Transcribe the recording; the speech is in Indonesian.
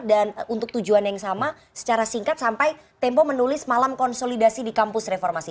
dan untuk tujuan yang sama secara singkat sampai tempo menulis malam konsolidasi di kampus reformasi